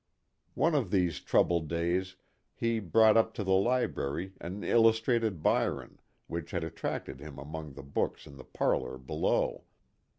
One of these troubled days he brought up to the library an illustrated Byron which had attracted him among the books in the parlor below.